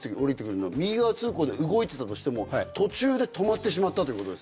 右側通行で動いてたとしても途中で止まってしまったということですね？